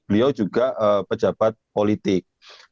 beliau juga pejabat politik